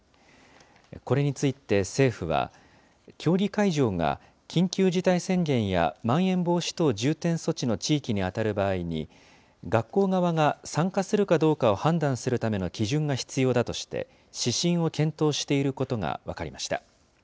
これについて政府は、競技会場が緊急事態宣言や、まん延防止等重点措置の地域に当たる場合に、学校側が参加するかどうかを判断するための基準が必要だとして、指針を検討していることが分かりました。